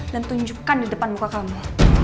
dan tunjukkan di depan muka kamu